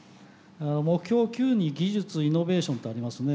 目標９に技術イノベーションってありますね。